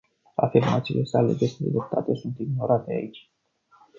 Afirmațiile sale despre dreptate sunt ignorate aici.